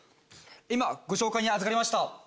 今ご紹介にあずかりました